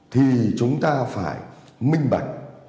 thì chúng ta phải minh bạch